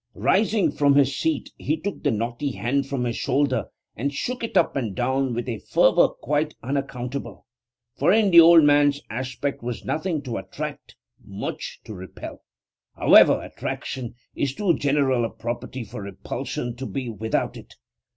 Rising from his seat, he took the knotty hand from his shoulder, and shook it up and down with a fervour quite unaccountable; for in the old man's aspect was nothing to attract, much to repel. However, attraction is too general a property for repulsion to be without it.